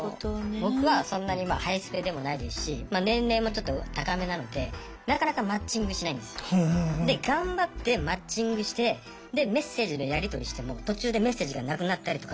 僕はそんなにまあハイスペでもないですし年齢もちょっと高めなのでなかなかマッチングしないんですよ。で頑張ってマッチングしてでメッセージのやりとりしても途中でメッセージがなくなったりとか。